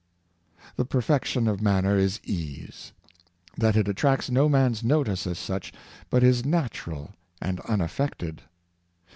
The perfection of manner is ease — that it attracts no man's notice as such, but is natural and unaffected.